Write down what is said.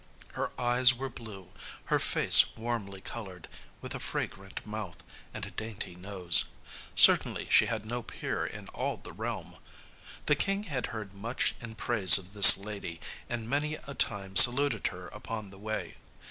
Her eyes were blue; her face warmly coloured, with a fragrant mouth, and a dainty nose. Certainly she had no peer in all the realm. The King had heard much in praise of this lady and many a time saluted her upon the way.